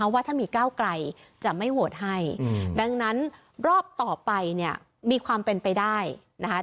ว่าถ้ามีก้าวไกลจะไม่โหวตให้ดังนั้นรอบต่อไปเนี่ยมีความเป็นไปได้นะคะ